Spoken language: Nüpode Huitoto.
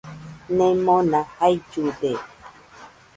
Nemona jaillude.